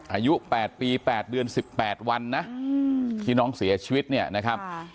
อายุแปดปีแปดเดือนสิบแปดวันนะที่น้องเสียชีวิตเนี่ยนะครับ